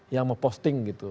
yang memposting gitu